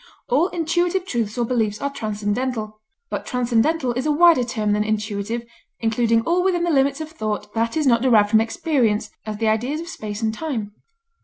All intuitive truths or beliefs are transcendental. But transcendental is a wider term than intuitive, including all within the limits of thought that is not derived from experience, as the ideas of space and time.